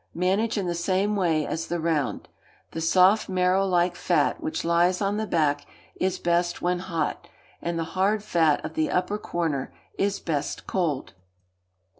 Manage in the same way as the round. The soft, marrow like fat which lies on the back is best when hot, and the hard fat of the upper corner is best cold.